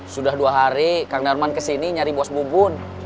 sudah dua hari kang darman kesini nyari bos bubun